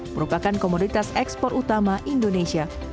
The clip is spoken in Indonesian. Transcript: merupakan komoditas ekspor utama indonesia